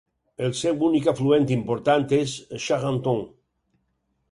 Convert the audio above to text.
El seu únic afluent important és Charentonne.